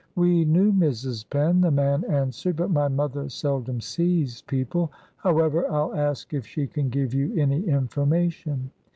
"We knew Mrs. Penn," the man answered; "but my mother seldom sees people. However, I'll ask if she can give you any information."